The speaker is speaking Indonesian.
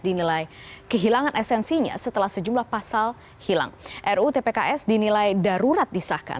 dinilai kehilangan esensinya setelah sejumlah pasal hilang rutpks dinilai darurat disahkan